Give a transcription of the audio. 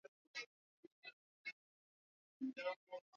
laki thelathini na nane elfu tatu Mia tatu na moja